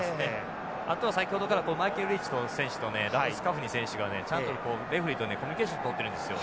あとは先ほどからマイケルリーチ選手とねラブスカフニ選手がねちゃんとこうレフリーとねコミュニケーションをとってるんですよ。